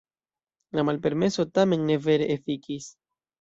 La malpermeso tamen ne vere efikis.